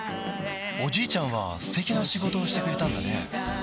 おじいちゃんは素敵な仕事をしてくれたんだね